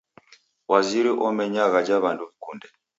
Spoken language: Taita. Waziri omenya ghaja w'andu w'ikunde.